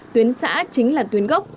tuyến xã chính là tuyến gốc